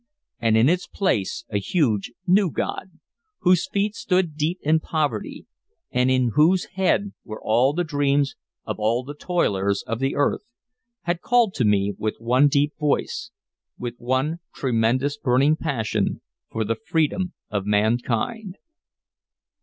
And in its place a huge new god, whose feet stood deep in poverty and in whose head were all the dreams of all the toilers of the earth, had called to me with one deep voice, with one tremendous burning passion for the freedom of mankind.